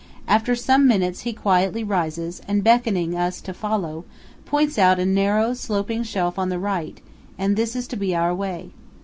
After some minutes he quietly rises and, beckoning us to follow, points out a narrow sloping shelf on the right, and this is to be our way.